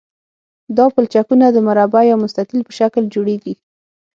دا پلچکونه د مربع یا مستطیل په شکل جوړیږي